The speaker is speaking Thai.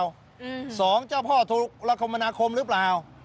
อืมสองเจ้าพ่อถูกรัคมนาคมหรือเปล่า